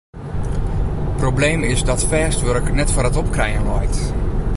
Probleem is dat fêst wurk net foar it opkrijen leit.